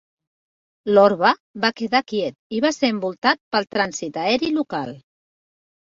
L'orbe va quedar quiet i va ser envoltat pel trànsit aeri local.